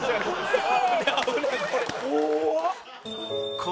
怖っ！